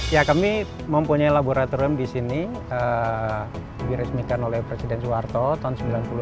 ya kami mempunyai laboratorium di sini diresmikan oleh presiden soeharto tahun seribu sembilan ratus sembilan puluh delapan